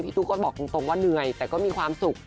ตุ๊กก็บอกตรงว่าเหนื่อยแต่ก็มีความสุข